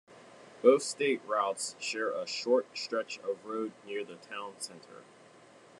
Both state routes share a short stretch of road near the town center.